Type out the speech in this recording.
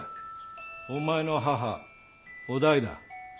お前の母於大だ。